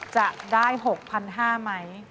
จะได้๖๕๐๐ไหม